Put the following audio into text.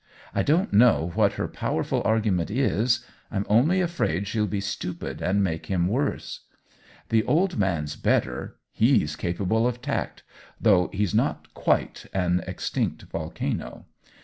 I don't know what her powerful argu ment IB; I'm only afraid she'll be stupid and make him worse. The old man's better — Ae^s capable of tact, though he's not quite an extinct volcano.